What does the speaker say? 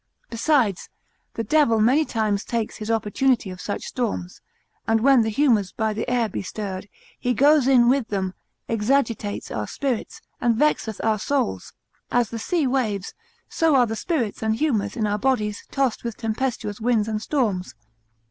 Besides, the devil many times takes his opportunity of such storms, and when the humours by the air be stirred, he goes in with them, exagitates our spirits, and vexeth our souls; as the sea waves, so are the spirits and humours in our bodies tossed with tempestuous winds and storms.